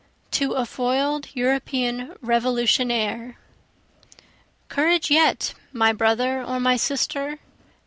To a Foil'd European Revolutionaire Courage yet, my brother or my sister!